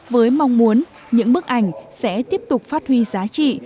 với mong muốn những bức ảnh sẽ tiếp tục phát huy giá trị